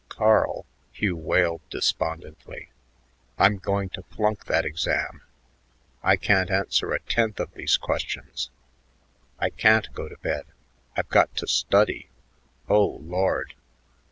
"Carl," Hugh wailed despondently, "I'm going to flunk that exam. I can't answer a tenth of these questions. I can't go to bed; I've got to study. Oh, Lord!"